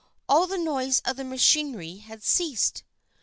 All the noise of machinery had ceased.